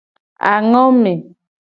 Angome.